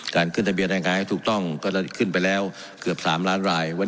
ขึ้นทะเบียนแรงงานให้ถูกต้องก็จะขึ้นไปแล้วเกือบ๓ล้านราย